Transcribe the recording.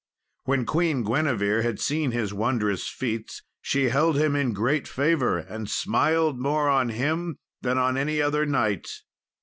When Queen Guinevere had seen his wondrous feats, she held him in great favour, and smiled more on him than on any other knight.